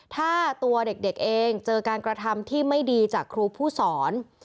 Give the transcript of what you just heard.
ถ้าตัวเด็กเองเจอการกระทำที่ไม่ดีจากครูผู้สอน